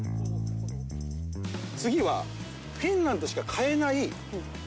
次はフィンランドでしか買えないお土産。